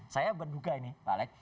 saya berduga ini pak alex